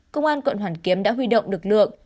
công an quận hoàn kiếm đã huy động lực lượng